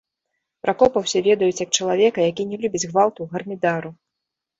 Пракопа ўсе ведаюць як чалавека, які не любіць гвалту, гармідару.